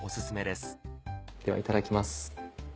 ではいただきます。